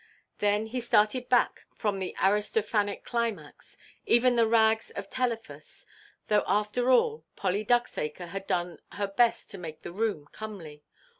Then he started back from the Aristophanic climax—even the rags of Telephus; though after all, Polly Ducksacre had done her best to make the room comely.